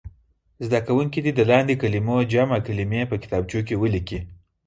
زده کوونکي دې د لاندې کلمو جمع کلمې په کتابچو کې ولیکي.